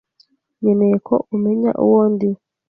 nkeneye ko umenya uwo ndiwe.